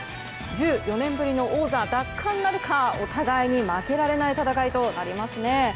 １４年ぶりの王座奪還なるかお互いに負けられない戦いとなりますね。